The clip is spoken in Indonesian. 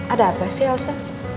ada apa sih elsa